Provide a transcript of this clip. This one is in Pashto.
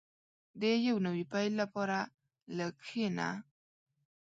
• د یو نوي پیل لپاره لږ کښېنه.